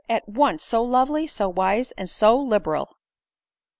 at once so lovely, so wise, and so libe ral!"